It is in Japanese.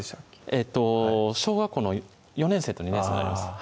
えっと小学校の４年生と２年生になります